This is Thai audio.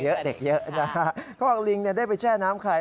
มีสระเด็กเขาบอกลิงได้ไปแช่น้ำไข่